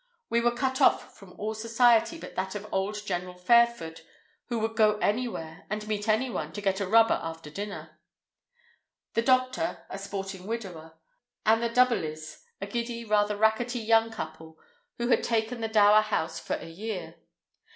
We were cut off from all society but that of old General Fairford, who would go anywhere and meet anyone to get a rubber after dinner; the doctor, a sporting widower; and the Duberlys, a giddy, rather rackety young, couple who had taken the Dower House for a year.